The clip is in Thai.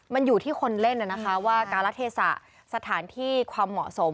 มันอยู่ที่คนเล่นนะคะว่าการละเทศะสถานที่ความเหมาะสม